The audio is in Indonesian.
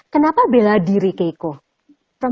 kenapa bela diri keiko